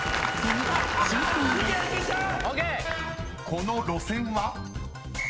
［この路線は？］